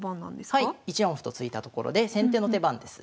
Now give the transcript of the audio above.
はい１四歩と突いたところで先手の手番です。